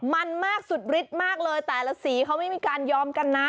มันมากสุดฤทธิ์มากเลยแต่ละสีเขาไม่มีการยอมกันนะ